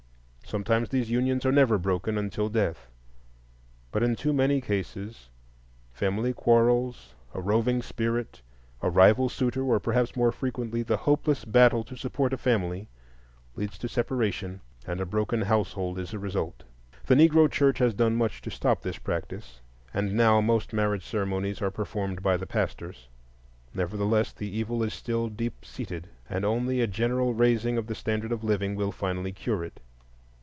Sometimes these unions are never broken until death; but in too many cases family quarrels, a roving spirit, a rival suitor, or perhaps more frequently the hopeless battle to support a family, lead to separation, and a broken household is the result. The Negro church has done much to stop this practice, and now most marriage ceremonies are performed by the pastors. Nevertheless, the evil is still deep seated, and only a general raising of the standard of living will finally cure it.